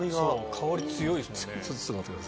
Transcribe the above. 香り強いですもんね。